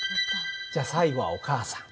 じゃあ最後はお母さん。